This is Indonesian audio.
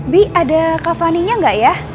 bi ada kak fani nya gak ya